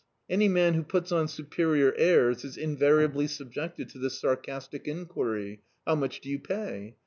Any man who puts on superior airs is invariably subjected to this sarcastic enquiry — "How much do you pay?"